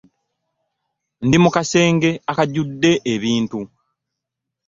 Ndi mu kasenge akajudde ebintu .